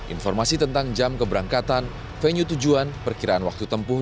informasi tentang jam keberangkatan venue tujuan perkiraan waktu tempuh